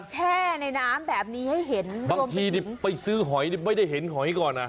แช่ในน้ำแบบนี้ให้เห็นบางทีนี่ไปซื้อหอยนี่ไม่ได้เห็นหอยก่อนอ่ะ